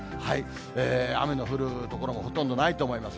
雨の降る所もほとんどないと思います。